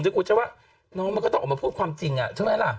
กูจะว่าน้องมันก็ต้องออกมาพูดความจริงใช่ไหมล่ะ